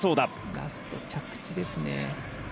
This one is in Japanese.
ラスト、着地ですね。